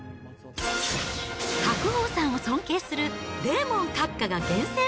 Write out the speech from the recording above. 白鵬さんを尊敬するデーモン閣下が厳選！